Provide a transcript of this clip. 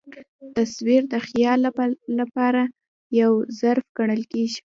تصویر د خیال له پاره یو ظرف ګڼل کېږي.